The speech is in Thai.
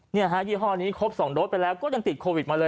เนี่ยฮะยี่ห้อนี้ครบสองโดดไปแล้วก็ยังติดโควิดมาเลย